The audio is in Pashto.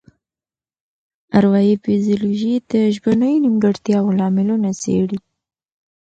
اروايي فزیولوژي د ژبنیو نیمګړتیاوو لاملونه څیړي